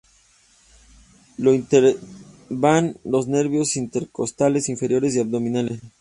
Lo inervan los nervios intercostales inferiores y abdominales.